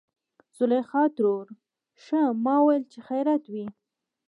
زليخا ترور :ښا ما ويل چې خېرت وي.